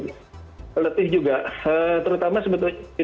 jadi mereka cukup letih juga terutama sebetulnya secara mental